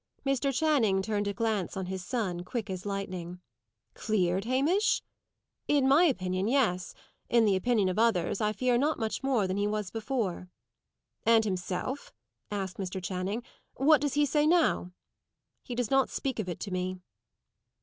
Mr. Channing turned a glance on his son, quick as lightning. "Cleared, Hamish?" "In my opinion, yes. In the opinion of others, I fear not much more than he was before." "And himself?" asked Mr. Channing. "What does he say now?" "He does not speak of it to me."